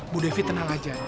bu devi tenang aja